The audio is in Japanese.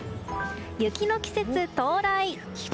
雪の季節、到来。